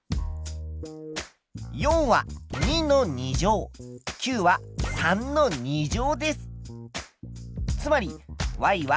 ４は２の２乗９は３の２乗です。